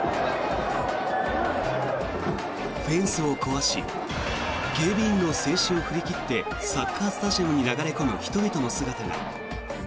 フェンスを壊し警備員の制止を振り切ってサッカースタジアムに流れ込む人々の姿が。